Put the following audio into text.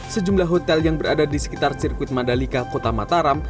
sejumlah hotel yang berada di sekitar sirkuit mandalika kota mataram